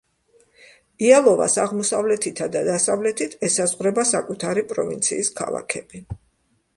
იალოვას აღმოსავლეთითა და დასავლეთით ესაზღვრება საკუთარი პროვინციის ქალაქები.